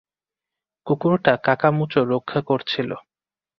কুকুরটা কাকামুচো রক্ষা করছিল।